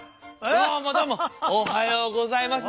どうもどうもおはようございますだ。